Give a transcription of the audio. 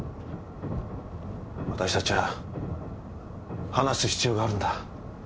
私たちは話す必要があるんだ。